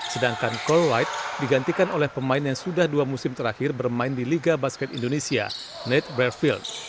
sedangkan call light digantikan oleh pemain yang sudah dua musim terakhir bermain di liga basket indonesia net braffield